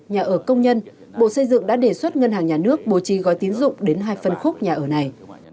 nhà ở công nhân bộ xây dựng đã đề xuất ngân hàng nhà nước bổ trì gói tiến dụng đến hai phân khúc nhà ở này